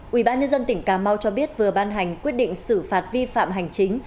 quỹ bán nhân dân tỉnh cà mau cho biết vừa ban hành quyết định xử phạt vi phạm hành chính